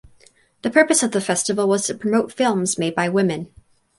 The purpose of the festival was to promote films made by women.